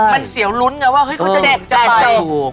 มันเสียวลุ้นไงว่าเฮ้ยเขาจะไป